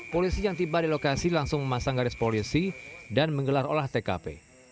polisi yang tiba di lokasi langsung memasang garis polisi dan menggelar olah tkp